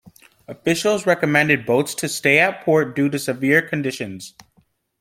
Officials recommended boats to stay at port due to severe conditions.